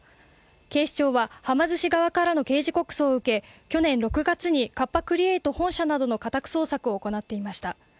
警視庁は、はま寿司側からの刑事告訴を受けカッパ・クリエイト本社などの家宅捜索を行っていました。